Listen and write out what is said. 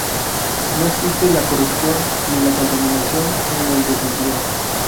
No existe la corrupción, ni la contaminación, ni el desempleo.